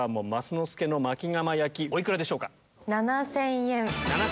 お幾らでしょうか？